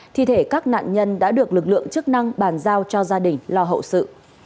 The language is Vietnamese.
thi thể các nạn nhân đã được lực lượng chức năng bàn giao cho gia đình lo hậu sự